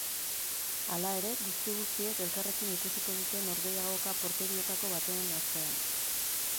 Hala ere, guzti-guztiek elkarrekin ikusiko dute norgehiagoka porterietako baten atzean.